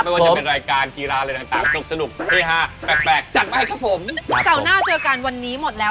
ผมเช็กตารางได้เรียบร้อยแหละได้เรียบร้อย